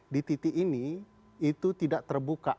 di titik ini itu tidak terbuka